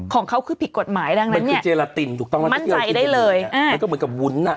ของเขาคือผิดกฎหมายดังนั้นเนี้ยมั่นใจได้เลยอ่ามันก็เหมือนกับวุ้นอ่ะ